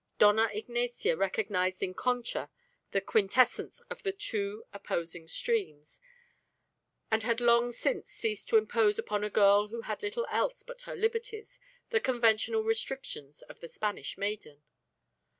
Dona Ignacia recognized in Concha the quintessence of the two opposing streams, and had long since ceased to impose upon a girl who had little else but her liberties, the conventional restrictions of the Spanish maiden.